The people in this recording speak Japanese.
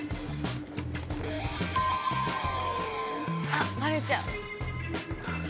あっバレちゃう！